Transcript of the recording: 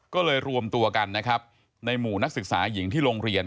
ก็เลยรวมตัวกันนะครับในหมู่นักศึกษาหญิงที่โรงเรียน